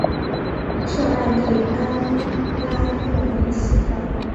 圣艾蒂安拉热内斯特。